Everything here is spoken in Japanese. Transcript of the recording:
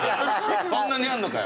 そんなにあんのかよ！